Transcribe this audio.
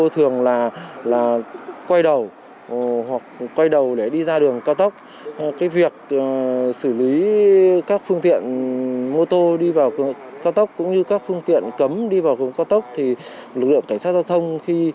thường là quay đoàn giao thông